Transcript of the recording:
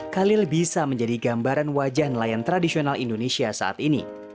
khalil bisa menjadi gambaran wajah nelayan tradisional indonesia saat ini